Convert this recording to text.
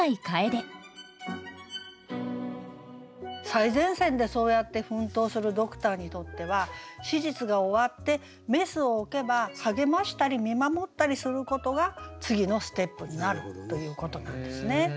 最前線でそうやって奮闘するドクターにとっては手術が終わってメスを置けば励ましたり見守ったりすることが次のステップになるということなんですね。